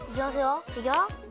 いくよ。